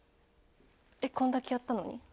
えっこんだけやったのに？